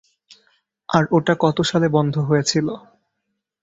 আর ওটা কত সালে বন্ধ হয়েছিল?